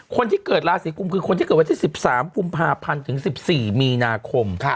คนที่เกิดราศีกุมคือคนที่เกิดวันที่๑๓กุมภาพันธ์ถึง๑๔มีนาคม